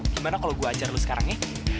gimana kalau gue ajar lu sekarang ya